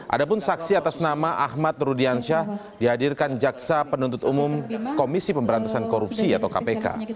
ada pun saksi atas nama ahmad rudiansyah dihadirkan jaksa penuntut umum komisi pemberantasan korupsi atau kpk